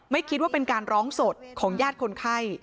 ไม่คิดว่าเป็นการร้องสดของญาติคนไข้